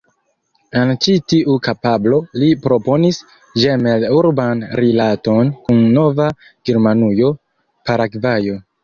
En ĉi tiu kapablo li proponis ĝemel-urban rilaton kun Nova Germanujo, Paragvajo.